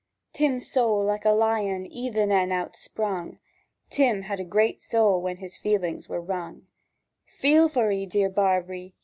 Tim's soul like a lion 'ithin en outsprung— (Tim had a great soul when his feelings were wrung)— "Feel for 'ee, dear Barbree?"